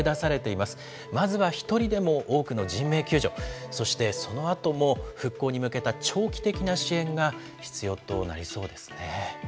まずは一人でも多くの人命救助、そしてそのあとも復興に向けた長期的な支援が必要となりそうですね。